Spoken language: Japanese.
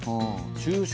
昼食。